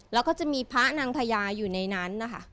แล้วก็จะมีพระนางพญาอยู่ในนั้นนะคะ